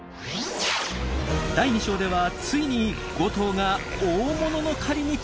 第２章ではついに５頭が大物の狩りに挑戦！